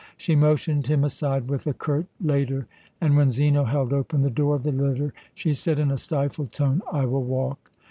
She motioned him aside with a curt "Later"; and when Zeno held open the door of the litter, she said in a stifled tone: "I will walk.